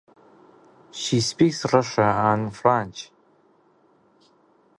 She speaks Russian and French.